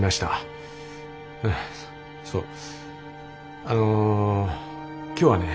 そうあの今日はね